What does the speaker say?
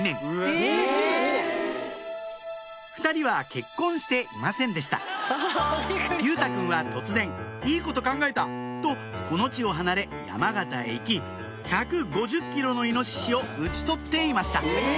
２人は結婚していませんでした佑太くんは突然「いいこと考えた！」とこの地を離れ山形へ行き１５０ｋｇのイノシシを撃ち取っていました